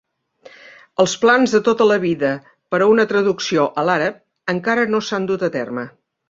Els plans de tota la vida per a una traducció a l'àrab encara no s'han dut a terme.